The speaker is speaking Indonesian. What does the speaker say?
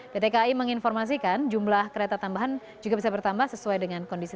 pt kai menginformasikan jumlah kereta tambahan juga bisa bertambah sesuai dengan kondisi